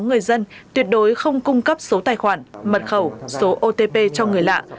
người dân tuyệt đối không cung cấp số tài khoản mật khẩu số otp cho người lạ